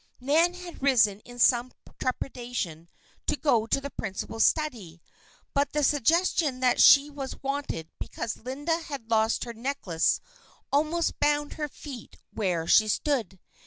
Nan had risen in some trepidation to go to the principal's study. But the suggestion that she was wanted because Linda had lost her necklace almost bound her feet where she stood.